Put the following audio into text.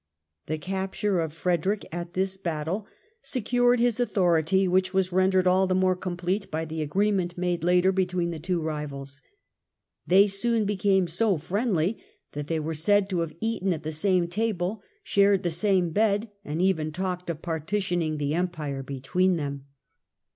The capture of Frederick at this battle secured 76 THE END OF THE MIDDLE AGE his authority, which was rendered all the more complete by the agreement made later between the two rivals. They soon became so friendly that they are said to have eaten at the same table, shared the same bed and even talked of partitioning the Empire between them.